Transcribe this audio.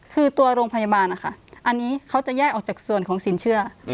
คือตัวโรงพยาบาลนะคะอันนี้เขาจะแยกออกจากส่วนของสินเชื่อ